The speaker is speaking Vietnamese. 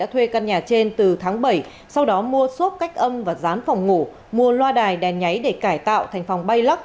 trên từ tháng bảy sau đó mua xốp cách âm và rán phòng ngủ mua loa đài đèn nháy để cải tạo thành phòng bay lắc